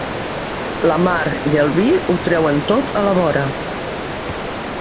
La mar i el vi ho treuen tot a la vora.